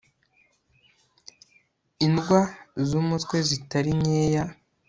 indwa z'umutwe zitari nyeya